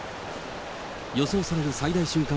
予想される最大瞬間